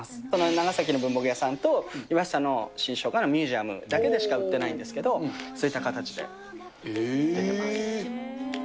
長崎の文房具屋さんと岩下の新生姜のミュージアムだけでしか売ってないんですけど、そういった形で出てます。